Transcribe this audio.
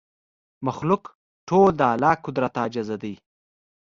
مخلوق ټول د الله قدرت ته عاجز دی